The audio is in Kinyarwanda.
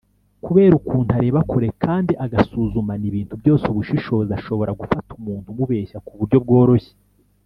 kubera ukuntu areba kure kandi agasuzumana ibintu byose ubushishozi ashobora gufata umuntu umubeshya ku buryo bworoshye